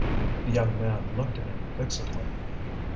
The young man looked at him fixedly.